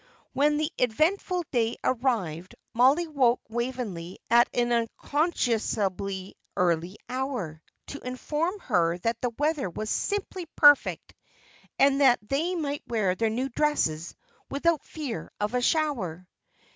When the eventful day arrived, Mollie woke Waveney at an unconscionably early hour, to inform her that the weather was simply perfect, and that they might wear their new dresses without fear of a shower.